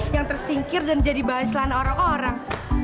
yang tersingkir dan jadi bahan celana orang orang